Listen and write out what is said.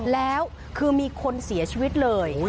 แล้วคือมีคนเสียชีวิตเลย